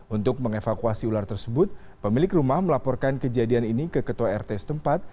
untuk mengevakuasi ular tersebut pemilik rumah melaporkan kejadian ini ke ketua rt setempat